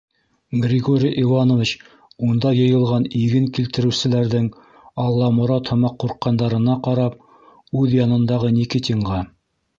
Григорий Иванович, унда йыйылған иген килтереүселәрҙең Алламорат һымаҡ ҡурҡҡандарына ҡарап, үҙ янындағы Никитингә: